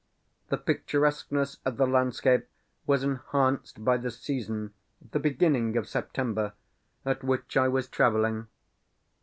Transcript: The picturesqueness of the landscape was enhanced by the season, the beginning of September, at which I was travelling.